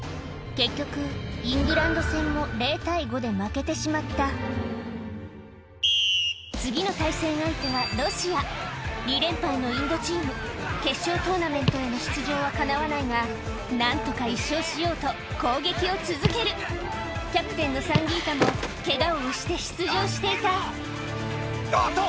結局イングランド戦も０対５で負けてしまった次の対戦相手はロシア２連敗のインドチーム決勝トーナメントへの出場はかなわないが何とか１勝しようと攻撃を続けるキャプテンのサンギータもケガを押して出場していたおっと！